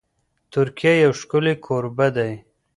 ترکیه یو ښکلی کوربه دی.